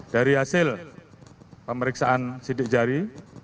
dari hasil pemeriksaan sidik jari